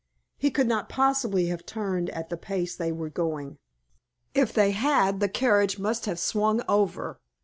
He could not possibly have turned at the pace they were going. If they had the carriage must have swung over.